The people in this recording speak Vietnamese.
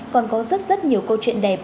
còn có rất rất nhiều câu chuyện đẹp